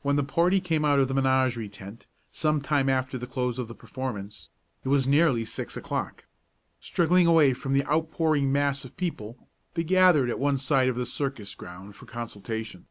When the party came out of the menagerie tent, some time after the close of the performance, it was nearly six o'clock. Struggling away from the outpouring mass of people, they gathered at one side of the circus ground for consultation.